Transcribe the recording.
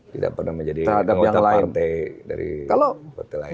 tidak pernah menjadi anggota partai dari partai lain